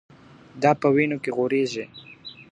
دا په وينو کي غوريږي .